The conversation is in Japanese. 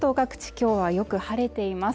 今日はよく晴れています